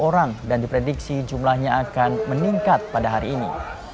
dua puluh orang dan diprediksi jumlahnya akan meningkat pada hari ini